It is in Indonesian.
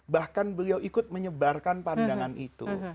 bahkan beliau ikut menyebarkan pandangan itu